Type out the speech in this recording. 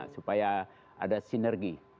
supaya ada sinergi